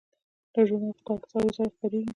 دا ژورنال په کال کې څلور ځله خپریږي.